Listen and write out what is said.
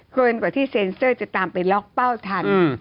เกินกว่าที่เซ็นเซอร์จะตามไปล็อกเป้าทัน